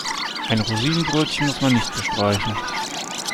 Ein Rosinenbrötchen muss man nicht bestreichen.